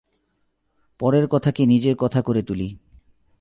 পরের কথাকে নিজের কথা করে তুলি।